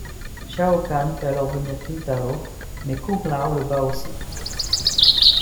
Shao Kahn fait alors venir Kintaro, mais Kung Lao le bat aussi.